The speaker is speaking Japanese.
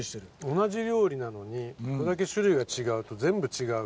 同じ料理なのにこれだけ種類が違うと全部違う。